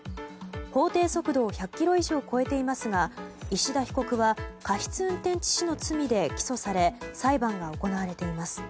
法定速度を１００キロ以上超えていますが石田被告は過失運転致死の罪で起訴され裁判が行われています。